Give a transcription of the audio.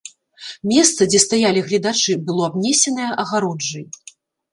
Месца, дзе стаялі гледачы, было абнесенае агароджай.